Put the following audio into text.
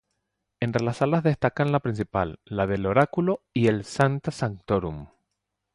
Entre las salas destacan la Principal, la del Oráculo, y el Sancta Sanctorum.